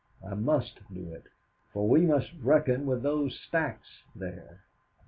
I must do it, for we must reckon with those stacks there."